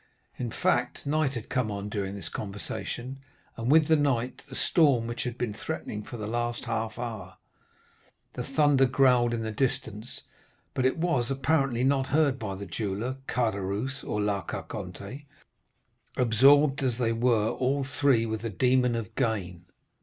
In fact, night had come on during this conversation, and with night the storm which had been threatening for the last half hour. The thunder growled in the distance; but it was apparently not heard by the jeweller, Caderousse, or La Carconte, absorbed as they were all three with the demon of gain.